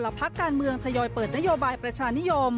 ๑หนึ่งเมือนบาท